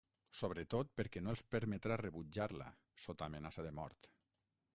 Sobretot, perquè no els permetrà rebutjar-la, sota amenaça de mort.